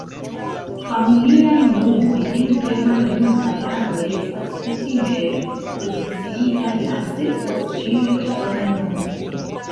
Familiaj nomoj en Germanlingvaj landoj estas kutime poziciitaj laste, post ĉiuj personaj nomoj.